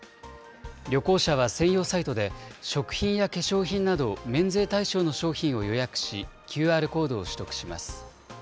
旅行者は専用サイトで、食品や化粧品など、免税対象の商品を予約し、ＱＲコードを取得します。